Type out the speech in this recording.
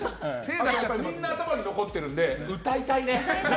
みんな頭に残ってるから歌いたいね。